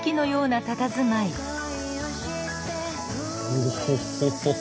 オホホホ。